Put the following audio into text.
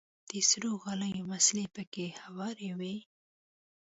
د سرو غاليو مصلې پکښې هوارې وې.